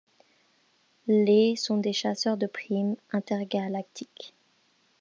Les sont des chasseurs de primes intergalactiques.